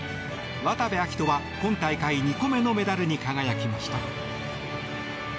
渡部暁斗は今大会２個目のメダルに輝きました。